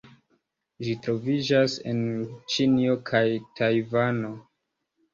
Ĝi troviĝas en Ĉinio kaj Tajvano.